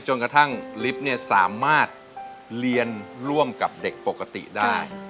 กระทั่งลิฟต์เนี่ยสามารถเรียนร่วมกับเด็กปกติได้